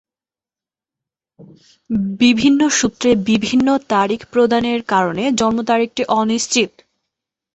বিভিন্ন সূত্রে বিভিন্ন তারিখ প্রদানের কারণে জন্ম তারিখটি অনিশ্চিত।